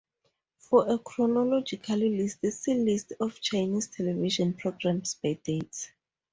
For a chronological list, see List of Chinese television programs by date.